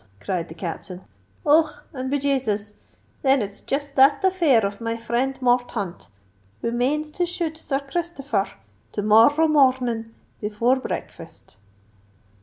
cried the Captain. "Och? and be Jasus! then, it's jist that affair of my friend Morthaunt, who manes to shoot Sir Christopher r to mor r row mor r r ning before breakfast."